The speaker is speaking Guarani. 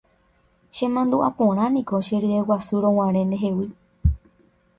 Chemandu'aporãniko cheryeguasurõguare ndehegui.